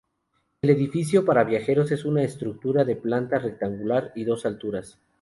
El edificio para viajeros es una estructura de planta rectangular y dos alturas.